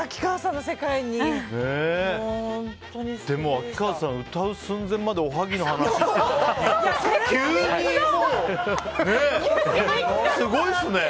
秋川さん歌う寸前までおはぎの話してたのに急にね。すごいですね。